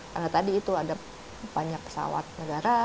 karena tadi itu ada banyak pesawat negara